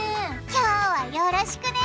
今日はよろしくね！